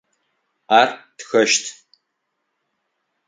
Ар тхэщт.